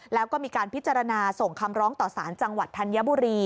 แล้วก็มีการพิจารณาส่งคำร้องต่อสารจังหวัดธัญบุรี